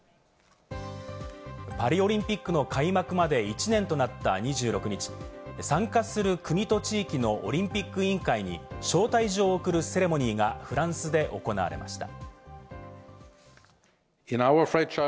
パリオリンピックの開幕まで１年となった２６日、参加する国と地域のオリンピック委員会に招待状を送るセレモニーがフランスで行われました。